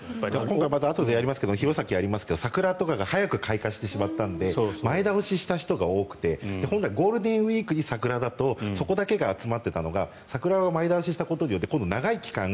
あとでもやりますが弘前をやりますが、桜とかが早く開花してしまったので前倒しした人が多くて本来ゴールデンウィークに桜だとそこだけに集まっていたのが桜が前倒ししたことによって今度は長い期間